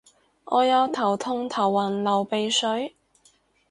我有頭痛頭暈流鼻水